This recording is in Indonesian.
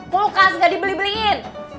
kulkas gak dibeli beliin